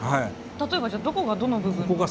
例えばじゃあどこがどの部分ですか？